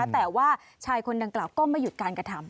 แต่ว่าชายคนดังกล่าวก็ไม่หยุดการกระทำ